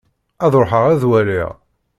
Ad ruḥeɣ ad waliɣ.